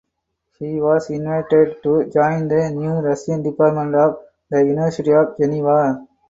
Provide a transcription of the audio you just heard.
He was invited to join the new Russian department of the University of Geneva.